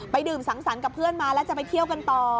ดื่มสังสรรค์กับเพื่อนมาแล้วจะไปเที่ยวกันต่อ